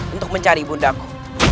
untuk mencari bundaku